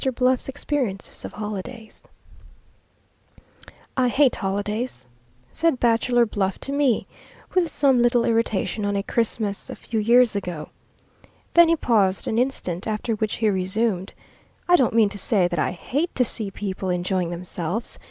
H. Schauffler, Editor. OLIVER BELL BUNCE "I hate holidays," said Bachelor Bluff to me, with some little irritation, on a Christmas a few years ago. Then he paused an instant, after which he resumed: "I don't mean to say that I hate to see people enjoying themselves.